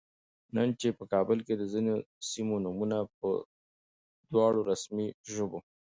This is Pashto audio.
نن چې په کابل کې د ځینو سیمو نومونه په دواړو رسمي ژبو